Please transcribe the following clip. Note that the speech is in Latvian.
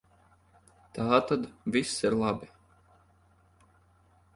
Tātad viss ir labi.